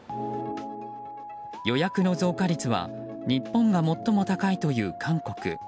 予約の増加率は日本が最も高いという韓国。